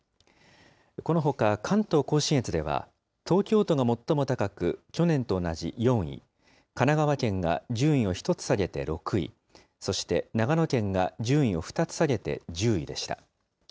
このほか関東甲信越では、東京都が最も高く去年と同じ４位、神奈川県が順位を１つ下げて６位、そして長野県が順位を２つ下げて１０位でした。